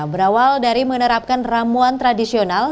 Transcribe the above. berawal dari menerapkan ramuan tradisional